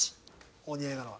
お似合いなのは。